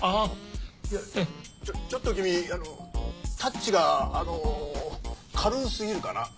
ちょちょっとキミタッチがあの軽すぎるかな？